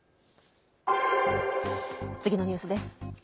次のニュースです。